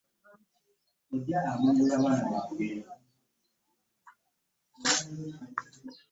Abakulira amasomero balinze kiva wa minisita.